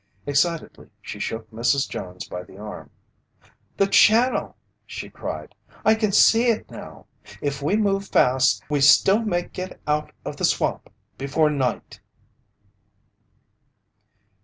Excitedly she shook Mrs. Jones by the arm. "The channel!" she cried. "I can see it now! If we move fast, we still may get out of the swamp before night!"